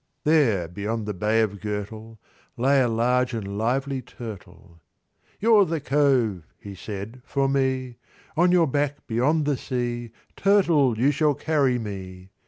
There beyond the Bay of Gurtle, Lay a large and lively Turtle; "You're the Cove," he said, "for me; "On your back beyond the sea, "Turtle, you shall carry me!"